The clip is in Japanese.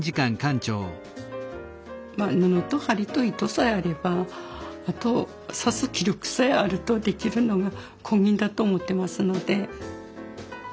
まあ布と針と糸さえあればあと刺す気力さえあるとできるのがこぎんだと思ってますので。